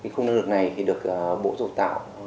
khung năng lực này được bộ giáo dục tào